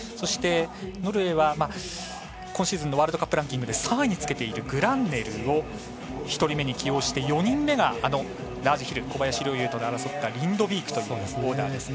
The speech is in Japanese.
ノルウェーは今シーズンのワールドカップランキングで３位につけているグランネルーを１人目に起用して４人目がラージヒル小林陵侑と競り合ったリンドビークというオーダー。